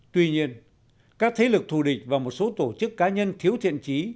tuy nhiên các thế lực thù địch và một số tổ chức cá nhân thiếu thiện trí